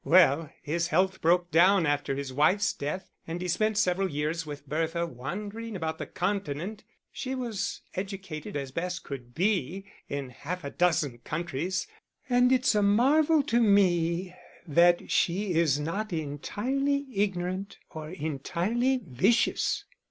Well, his health broke down after his wife's death, and he spent several years with Bertha wandering about the continent. She was educated as best could be, in half a dozen countries, and it's a marvel to me that she is not entirely ignorant or entirely vicious.